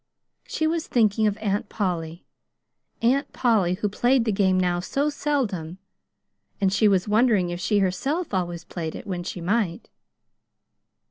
She was thinking of Aunt Polly Aunt Polly who played the game now so seldom; and she was wondering if she herself always played it, when she might.